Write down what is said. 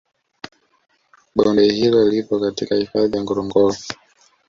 Bonde hilo lipo katika hifadhi ya ngorongoro